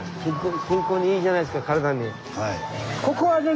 健康にいいじゃないですか体に。